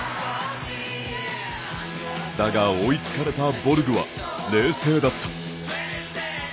だが、追いつかれたボルグは冷静だった。